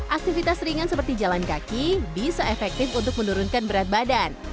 aktivitas ringan seperti jalan kaki bisa efektif untuk menurunkan berat badan